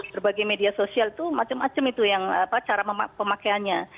berbagai media sosial itu macam macam itu yang cara pemakaiannya